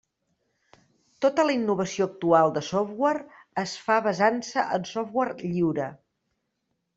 Tota la innovació actual de software es fa basant-se en software lliure.